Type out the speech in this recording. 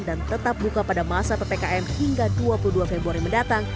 dan tetap buka pada masa ppkm hingga dua puluh dua februari mendatang